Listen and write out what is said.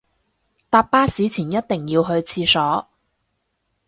搭巴士前一定要去廁所